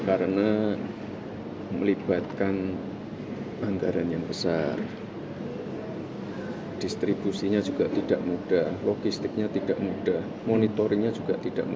karena melibatkan anggaran yang besar distribusinya juga tidak mudah logistiknya tidak mudah monitoringnya juga tidak mudah